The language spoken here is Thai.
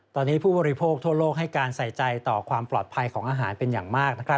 ตอนนี้ผู้บริโภคทั่วโลกให้การใส่ใจต่อความปลอดภัยของอาหารเป็นอย่างมาก